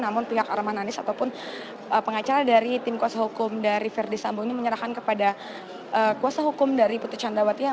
namun pihak arman anis ataupun pengacara dari tim kuasa hukum dari verdi sambo ini menyerahkan kepada kuasa hukum dari putri candrawati